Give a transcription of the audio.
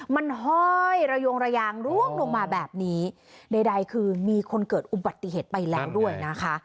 มันห้อยระยงระยางร่วงลงมาแบบนี้ใดคือมีคนเกิดอุบัติเหตุไปแล้วด้วยนะคะ